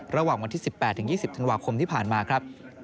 ระหว่างวันที่๑๘๒๐ธันวาคมที่ผ่านมาครับ